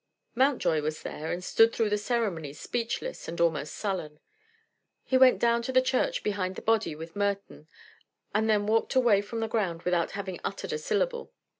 Mountjoy was there, and stood through the ceremony speechless, and almost sullen. He went down to the church behind the body with Merton, and then walked away from the ground without having uttered a syllable.